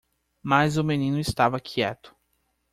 Mas o menino estava quieto.